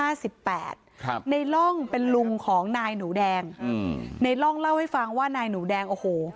นายล่องเป็นลุงของนายหนูแดงนายล่องเล่าให้ฟังว่านายหนูแดงโอ้โห